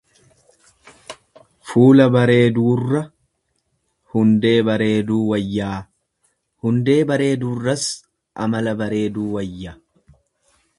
Fuula bareeduurra hundee bareeduu wayyaa, hundee bareeduurras amala bareeduu wayya.